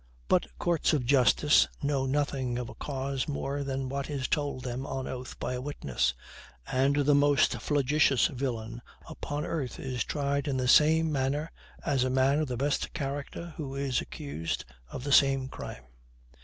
But courts of justice know nothing of a cause more than what is told them on oath by a witness; and the most flagitious villain upon earth is tried in the same manner as a man of the best character who is accused of the same crime.